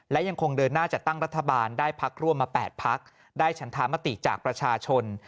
และยังคงเดินหน้าจัดตั้งรัฐบาลได้พักร่วมมา๘พักได้ฉันธามติจากประชาชน